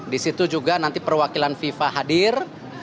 di situ juga nanti perwakilan fifa hadir